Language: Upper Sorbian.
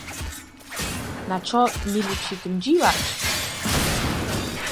Na čo měli při tym dźiwać?